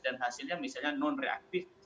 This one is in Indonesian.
dan hasilnya misalnya non reaktif